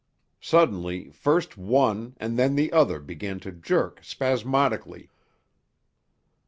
Suddenly first one and then the other began to jerk spasmodically.